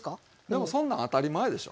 でもそんなん当たり前でしょ。